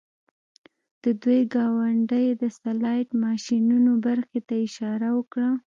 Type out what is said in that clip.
د دوی ګاونډۍ د سلاټ ماشینونو برخې ته اشاره وکړه